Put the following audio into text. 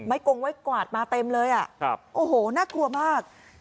กงไว้กวาดมาเต็มเลยอ่ะครับโอ้โหน่ากลัวมาก